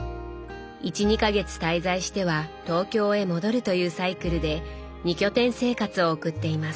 １２か月滞在しては東京へ戻るというサイクルで２拠点生活を送っています。